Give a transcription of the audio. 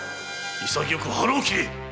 潔く腹を切れ！